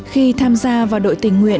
khi tham gia vào đội tình nguyện